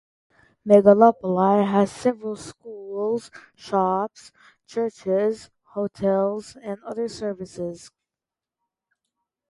Megalopoli has several schools, shops, churches, hotels and other services.